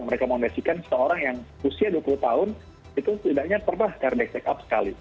mereka mengomendasikan seorang yang usia dua puluh tahun itu tidaknya terbah kardiak check up sekali